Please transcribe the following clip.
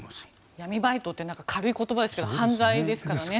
闇バイトって軽い言葉ですけど犯罪ですからね。